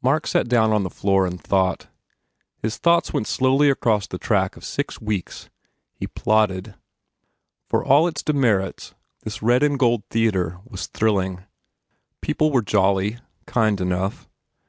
Mark sat down on the floor and thought. His thoughts went slowly across the track of six weeks. He plodded. For all its demerits this red and gold theatre was thrilling. People were jolly, kind enough.